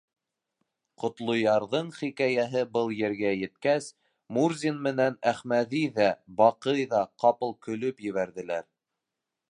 Ҡотлоярҙың хикәйәһе был ергә еткәс, Мурзин менән Әхмәҙи ҙә, Баҡый ҙа ҡапыл көлөп ебәрҙеләр.